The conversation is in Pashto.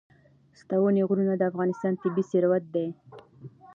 ستوني غرونه د افغانستان طبعي ثروت دی.